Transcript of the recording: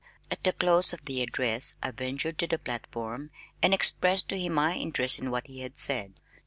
At the close of the address I ventured to the platform and expressed to him my interest in what he had said.